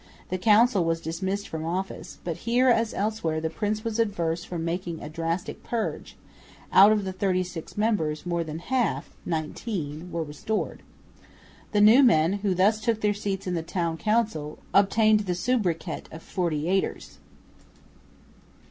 The Council was dismissed from office, but here, as elsewhere, the prince was averse from making a drastic purge; out of the thirty six members, more than half, nineteen, were restored. The new men, who thus took their seats in the Town Council, obtained the sobriquet of "Forty Eighters."